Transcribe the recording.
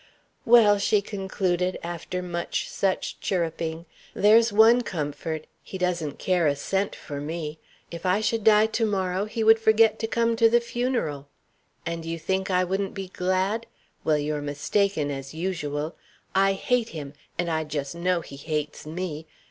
"Well," she concluded, after much such chirruping, "there's one comfort he doesn't care a cent for me. If I should die to morrow, he would forget to come to the funeral. And you think I wouldn't be glad? Well, you're mistaken, as usual. I hate him, and I just know he hates me!